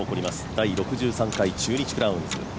第６３回中日クラウンズ。